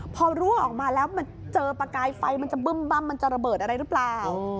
พอรั่วออกมาแล้วมันเจอประกายไฟมันจะบึ้มมันจะระเบิดอะไรหรือเปล่า